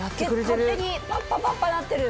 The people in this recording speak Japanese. パッパパッパなってる。